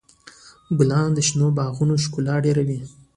ګلان د شنو باغونو ښکلا ډېروي.